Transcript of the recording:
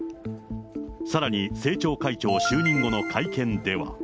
さらに政調会長就任後の会見では。